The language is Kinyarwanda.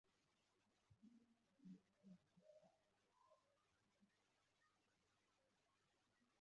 Mitch McConnell